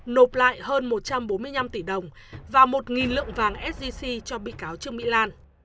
nộp lại hơn một trăm bốn mươi năm tỷ đồng và một lượng vàng sgc cho bị cáo trương mỹ lan